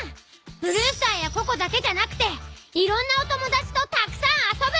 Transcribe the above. ブルースターやココだけじゃなくていろんなおともだちとたくさん遊ぶ！